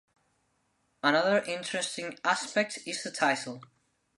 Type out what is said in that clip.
Another interesting aspect is the title.